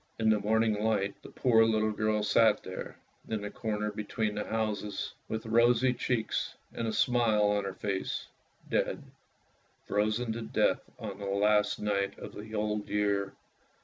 In the cold morning light the poor little girl sat there, in the corner between the houses, with rosy cheeks and a smile on her face — dead. Frozen to death on the last night of the old year.